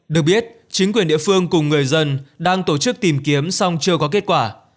được biết chính quyền địa phương cùng người dân đang tổ chức tìm kiếm song chưa có kết quả